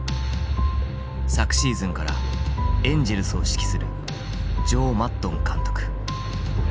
昨シーズンからエンジェルスを指揮するジョー・マッドン監督。